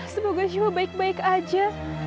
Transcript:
semoga jiwa baik baik aja